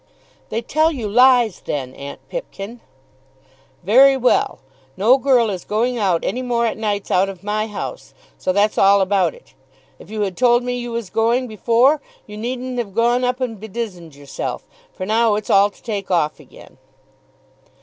"They tell you lies then, Aunt Pipkin." "Very well. No girl is going out any more at nights out of my house; so that's all about it. If you had told me you was going before, you needn't have gone up and bedizened yourself. For now it's all to take off again."